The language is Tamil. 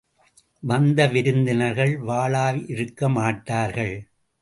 வந்த விருந்தினர்கள் வாளாவிருக்க மாட்டார்கள்.